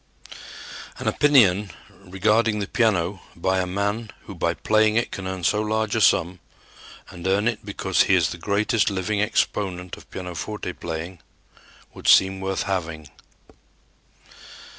An opinion regarding the piano by a man who by playing it can earn so large a sum, and earn it because he is the greatest living exponent of pianoforte playing, would seem worth having.